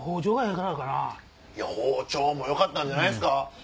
包丁もよかったんじゃないですか。